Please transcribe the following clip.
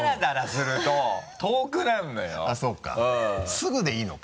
すぐでいいのか。